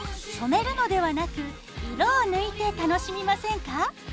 染めるのではなく色を抜いて楽しみませんか。